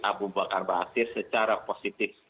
abu bakar basir secara positif